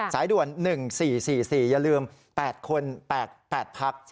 สายด่วน๑๔๔๔อย่าลืม๘คน๘พัก